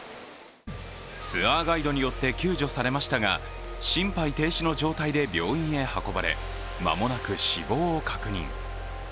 ツアーガイドによって救助されましたが、心肺停止の状態で病院へ運ばれ、間もなく死亡を確認。